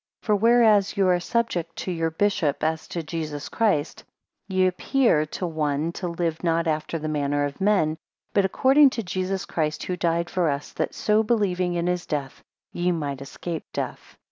5 For whereas ye are subject to your bishop as to Jesus Christ, ye appear to one to live not after the manner of men, but according to Jesus Christ who died for us, that so believing in his death, ye might escape death.